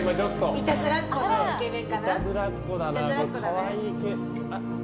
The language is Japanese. いたずらっ子のイケメンかな。